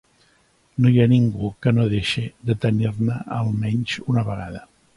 No hi ha ningú que no deixe de tenir-ne almenys una vegada.